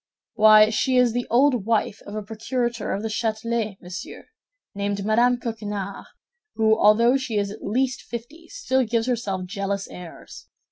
"Why, she is the old wife of a procurator* of the Châtelet, monsieur, named Madame Coquenard, who, although she is at least fifty, still gives herself jealous airs.